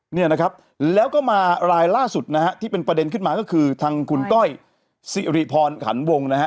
เนี่ยนะครับแล้วก็มารายล่าสุดนะฮะที่เป็นประเด็นขึ้นมาก็คือทางคุณก้อยสิริพรขันวงนะฮะ